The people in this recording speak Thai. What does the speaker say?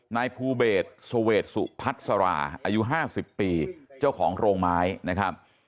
นายภูเบศเสวดสุพัสราอายุ๕๐ปีเจ้าของโรงไม้นะครับ